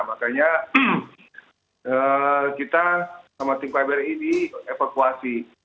makanya kita sama tim pbi di evakuasi